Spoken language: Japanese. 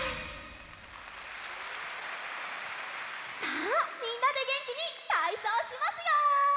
さあみんなでげんきにたいそうしますよ！